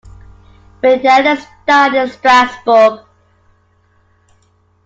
Rhenanus died in Strasbourg.